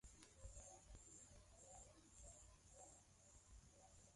inayoitwa Tanzania sitakusahau Ni mtu ambaye alijijengea jina kubwa katika tasnia ya